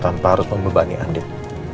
tanpa harus membebani andin